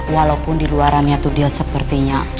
walaupun di luarannya itu dia sepertinya